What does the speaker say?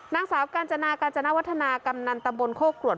นางสาวกาญจนากาญจนวัฒนากำนันตะบนโคกรวด